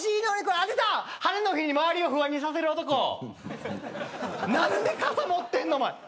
あっ、出た、晴れの日に周りを不安にさせる男何で傘持ってんのおまえ。